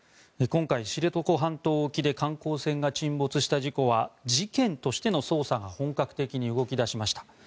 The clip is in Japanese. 今回、知床半島沖で観光船が沈没した事故は事件としての捜査が本格的に動き出しました。